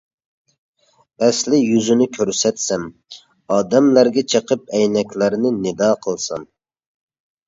ئەسلى يۈزىنى كۆرسەتسەم ئادەملەرگە، چېقىپ ئەينەكلەرنى، نىدا قىلسام.